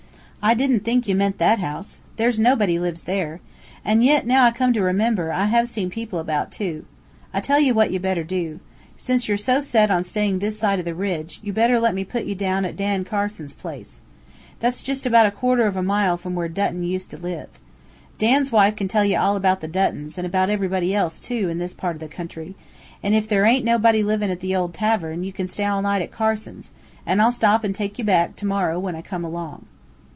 I didn't think you meant that house. There's nobody lives there. An' yit, now I come to remember, I have seen people about, too. I tell ye what ye better do. Since ye're so set on staying on this side the ridge, ye better let me put ye down at Dan Carson's place. That's jist about quarter of a mile from where Dutton used to live. Dan's wife can tell ye all about the Duttons, an' about everybody else, too, in this part o' the country, and if there aint nobody livin' at the old tavern, ye can stay all night at Carson's, and I'll stop an' take you back, to morrow, when I come along."